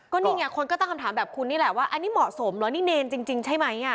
นี่ไงคนก็ตั้งคำถามแบบคุณนี่แหละว่าอันนี้เหมาะสมเหรอนี่เนรจริงใช่ไหม